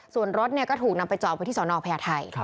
ส่วนรถเนี่ยก็ถูกนำไปจอไปที่สอนออกพยาไทย